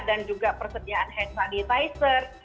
dan juga persediaan hand sanitizer